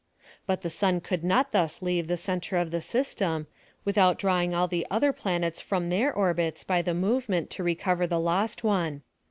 But the sun could not thus leave tiie centre of the system, without drawing all the other planets from tiieir orbits by the movement to recover the lost one.